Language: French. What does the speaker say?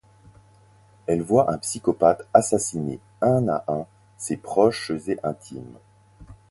Elle voit un psychopathe assassiner un à un ses proches et intimes.